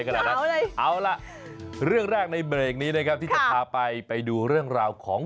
ไข่ครับไข่ไข่ไข่อยู่ไหน